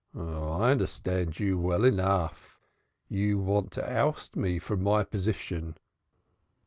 "Oh, I understand you well enough. You want to oust me from my position."